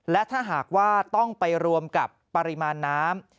และถ้าหากว่าต้องไปรวมกับปริมาณน้ำ